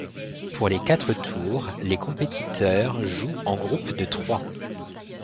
Pour les quatre tours, les compétiteurs jouent en groupe de trois.